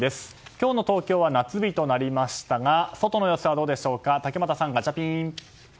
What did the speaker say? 今日の東京は夏日となりましたが外の様子はどうでしょうか竹俣さん、ガチャピン。